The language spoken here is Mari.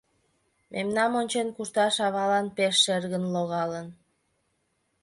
Мемнам ончен кушташ авалан пеш шергын логалын.